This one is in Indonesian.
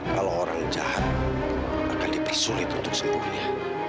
kalau orang jahat akan dipersulit untuk sembuhnya